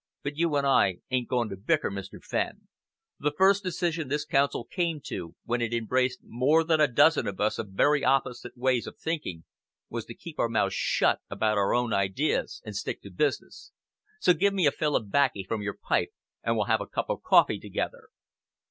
But you and I ain't going to bicker, Mr. Fenn. The first decision this Council came to, when it embraced more than a dozen of us of very opposite ways of thinking, was to keep our mouths shut about our own ideas and stick to business. So give me a fill of baccy from your pipe, and we'll have a cup of coffee together."